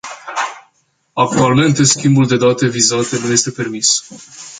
Actualmente schimbul de date vizate nu este permis.